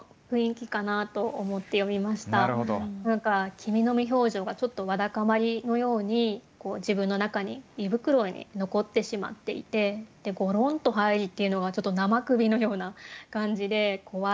君の無表情がちょっとわだかまりのように自分の中に胃袋に残ってしまっていて「ごろんと入り」っていうのが生首のような感じで怖い。